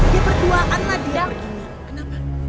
dia berduaan lah dia begini kenapa